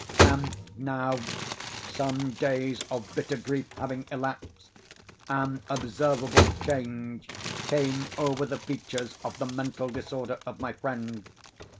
And now, some days of bitter grief having elapsed, an observable change came over the features of the mental disorder of my friend.